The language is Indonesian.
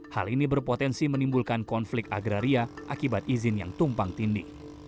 hal ini berpotensi menimbulkan konflik agraria akibat izin yang tumpang tindih